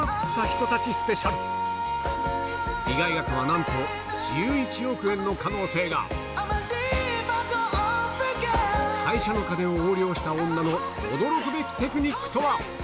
被害額はなんと１１億円の可能性が会社の金を横領した女の驚くべきテクニックとは？